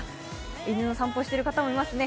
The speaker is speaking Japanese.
犬の散歩している方もいますね。